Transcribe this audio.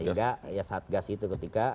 sehingga ya saat gas itu ketika